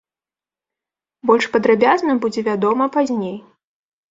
Больш падрабязна будзе вядома пазней.